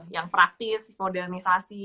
yang praktis modernisasi